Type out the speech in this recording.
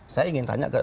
saya ingin tanya ke